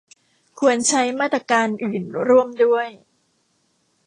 ควรใช้มาตรการอื่นร่วมด้วย